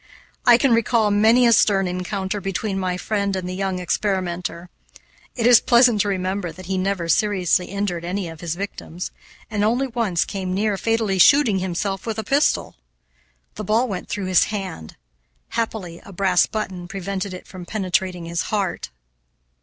I can recall many a stern encounter between my friend and the young experimenter. It is pleasant to remember that he never seriously injured any of his victims, and only once came near fatally shooting himself with a pistol. The ball went through his hand; happily a brass button prevented it from penetrating his heart.